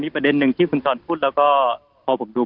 ประเด็นหนึ่งที่คุณจรพูดแล้วก็พอผมดู